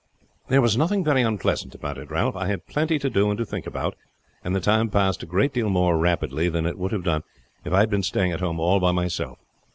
"There was nothing very unpleasant about it, Ralph. I had plenty to do and to think about, and the time passed a great deal more rapidly than it would have done if I had been staying at home all by myself.